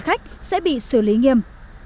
khách sẽ bị xử lý nghiêm